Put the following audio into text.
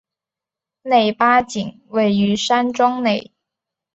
内八景位于山庄内。